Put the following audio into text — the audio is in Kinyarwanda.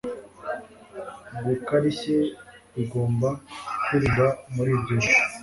Gukarishye bigomba kwirindwa muri ibyo bihe